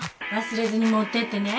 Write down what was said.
忘れずに持ってってね。